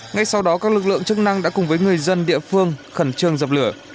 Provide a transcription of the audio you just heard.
ngay sau đó các lực lượng chức năng đã cùng với người dân địa phương khẩn trương dập lửa